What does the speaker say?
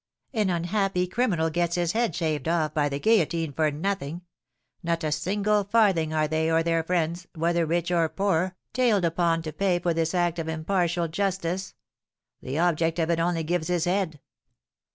An unhappy criminal gets his head shaved off by the guillotine for nothing; not a single farthing are they or their friends, whether rich or poor, tailed upon to pay for this act of impartial justice. The object of it only gives his head!